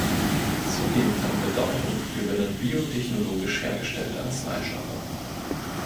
Zunehmend an Bedeutung gewinnen biotechnologisch hergestellte Arzneistoffe.